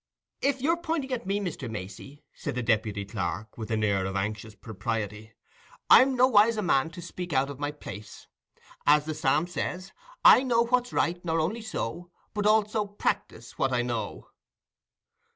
"If you're pointing at me, Mr. Macey," said the deputy clerk, with an air of anxious propriety, "I'm nowise a man to speak out of my place. As the psalm says— "I know what's right, nor only so, But also practise what I know."